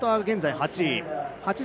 現在８位。